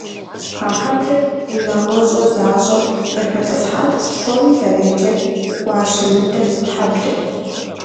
А хьэблэр унагъуэщӏэ защӏэу зэхэтӏысхьат, псори зэреджэр гуащэмыдэ хьэблэт.